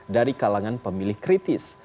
dari kalangan pemilih kritis